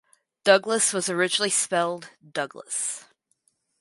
Douglas was originally spelled Douglass.